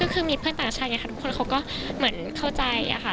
คือมีเพื่อนต่างชาติอย่างทุกคนเขาก็เข้าใจค่ะ